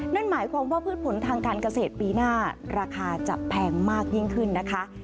นั่นหมายความว่าพืชผลทางการเกษตรปีหน้าราคาจะแพงมากยิ่งขึ้นนะคะ